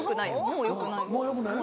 もうよくないよね。